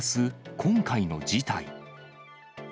今回の事態。